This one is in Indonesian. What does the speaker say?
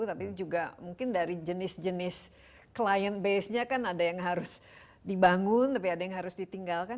tapi juga mungkin dari jenis jenis client base nya kan ada yang harus dibangun tapi ada yang harus ditinggalkan